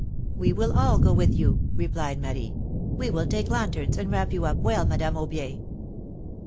^^ We will all go with you,'' replied Marie. We will take lanterns, and wrap you up well, Madame Aubier."